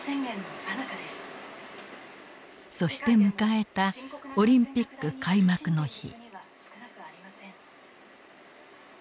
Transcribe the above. そして迎えたオリンピック開幕の日。